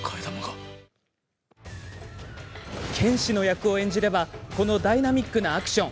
剣士の役を演じればこのダイナミックなアクション。